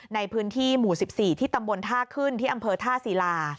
ในพื้นที่หมู่๑๔ที่ตำบลท่าขึ้นที่อำเภอท่าศิลา